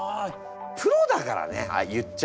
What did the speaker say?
プロだからね言っちゃあね！